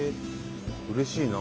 うれしいな。